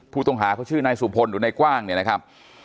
ผู้ต้องหาเขาชื่อนายสุพลหรือนายกว้างเนี่ยนะครับ